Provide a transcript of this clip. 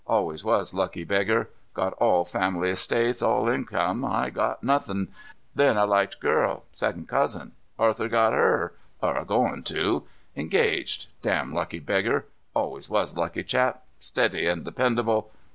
Always was lucky beggar. Got all family estates, all income, I got nothing. Then I liked girl. Second cousin. Arthur got her, or goin' to. Engaged. Damn lucky beggar. Always was lucky chap. Steady and dependable.